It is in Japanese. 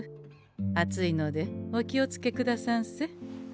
熱いのでお気をつけくださんせ。